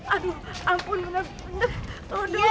aduh ampun bener bener